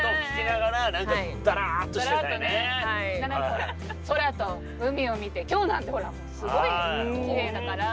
こう海の音を今日なんてほらもうすごいきれいだから。